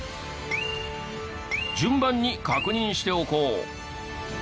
順番に確認しておこう。